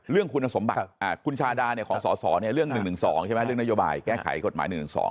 เรื่องคุณสมบัติคุณชาดาของสสเรื่อง๑๑๒ใช่ไหมเรื่องนโยบายแก้ไขกฎหมาย๑๑๒